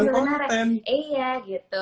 video konten sebenarnya iya bukan konten